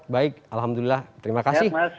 baik alhamdulillah terima kasih